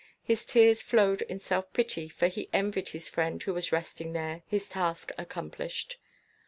His tears flowed in self pity, for he envied his friend who was resting there, his task accomplished.